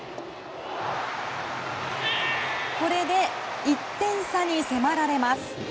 これで１点差に迫られます。